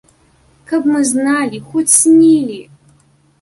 Каб мы зналі, хоць снілі!